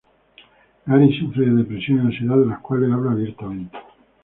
Gary sufre de depresión y ansiedad de las cuales habla abiertamente.